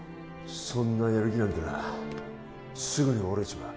そんなやる気なんてなすぐに折れちまう